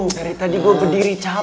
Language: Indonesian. dari tadi gue berdiri jauh